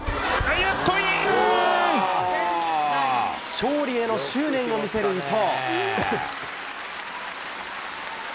勝利への執念を見せる伊藤。